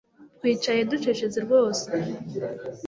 Twicaye ducecetse rwose